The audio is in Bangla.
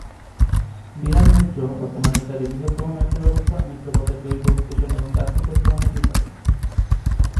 মিলান মেট্রো বর্তমানে ইতালি বৃহত্তম মেট্রো ব্যবস্থা মেট্রো পথের দৈর্ঘ্য, স্টেশন এবং যাত্রী পরিবহনের হিসাবে।